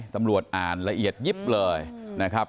ตำรวจอ่านละเอียดยิบเลยนะครับ